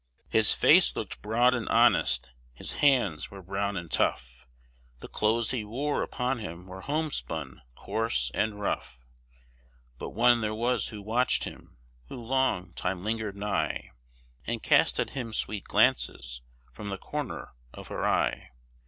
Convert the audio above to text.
His face looked broad and honest, his hands were brown and tough, The clothes he wore upon him were homespun, coarse, and rough; But one there was who watched him, who long time lingered nigh, And cast at him sweet glances from the corner of her eye.